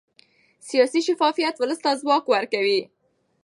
سیاسي شفافیت ولس ته ځواک ورکوي